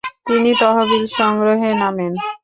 তিনি তহবিল সংগ্রহে নামেন।